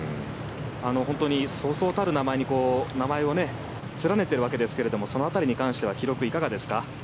本当にそうそうたる中に名前を連ねているわけですがその辺りに関しては記録、いかがですか？